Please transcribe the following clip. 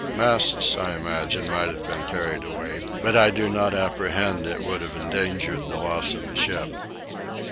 Masts I imagine might have been carried away, but I do not apprehend it would have endangered the loss of a ship.